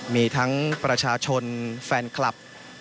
มีทั้งประชาชนแฟนคลับ